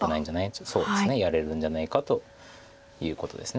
そうですねやれるんじゃないかということです。